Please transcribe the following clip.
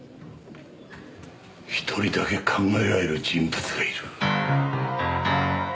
一人だけ考えられる人物がいる。